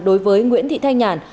đối với nguyễn thị thanh nhàn